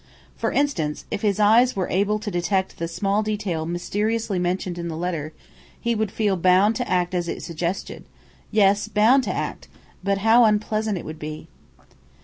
For instance, if his eyes were able to detect the small detail mysteriously mentioned in the letter, he would feel bound to act as it suggested; yes, bound to act but how unpleasant it would be!